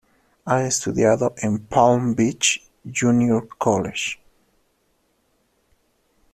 Ha estudiado en Palm Beach Junior College.